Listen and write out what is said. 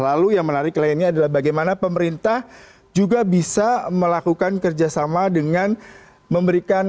lalu yang menarik lainnya adalah bagaimana pemerintah juga bisa melakukan kerjasama dengan memberikan